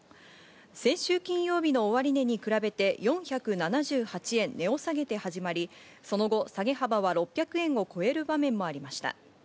先週金曜日の終値に比べて４７８円、値を下げて始まり、その後、下げ幅は６００円を超える場面もありました。